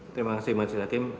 terima kasih majid hakim